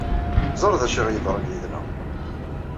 Ẓer d acu ɣ-yeḍran yid-neɣ.